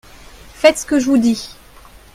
faites ce que je vous dis.